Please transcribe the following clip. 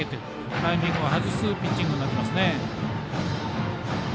タイミングを外すピッチングになっています。